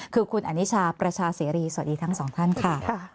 คือคุณอนิชาประชาเสรีสวัสดีทั้งสองท่านค่ะ